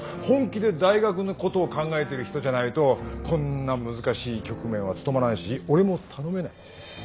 本気で大学のことを考えてる人じゃないとこんな難しい局面は務まらないし俺も頼めない。